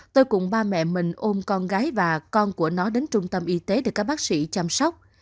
tôi cùng ba mẹ mình ôm con gái và con của nó đến trung tâm y tế để các bác sĩ chăm sóc